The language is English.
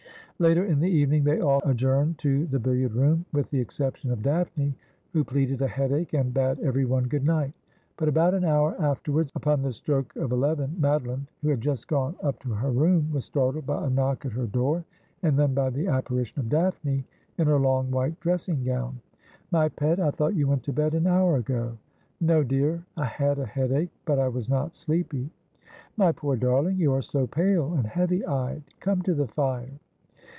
Later in the evening they all adjourned to the biUiard room, with the exception of Daphne, who pleaded a headache, and bade every one good night ; but about an hour afterwards, upon the stroke of eleven, Madeline, who had just gone up to her room, was startled by a knock at her door, and then by the apparition of Daphne in her long white dressing gown. ' My pet, I thought you went to bed an hour ago.' ' No, dear. I had a headache, but I was not sleepy.' ' My poor darling ; you are so pale and heavy eyed. Come to the fire.'